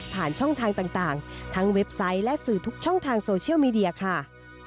ช่องทางต่างทั้งเว็บไซต์และสื่อทุกช่องทางโซเชียลมีเดียค่ะ